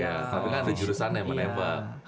iya tapi kan ada jurusan yang menembak